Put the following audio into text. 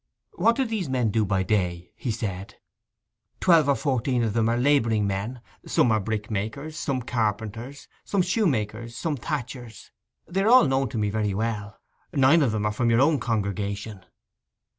'What do these men do by day?' he said. 'Twelve or fourteen of them are labouring men. Some are brickmakers, some carpenters, some shoe makers, some thatchers. They are all known to me very well. Nine of 'em are of your own congregation.